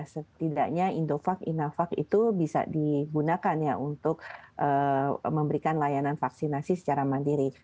setidaknya indovac inafak itu bisa digunakan ya untuk memberikan layanan vaksinasi secara mandiri